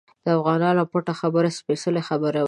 د افغان پټه خبره سپیڅلې خبره وي.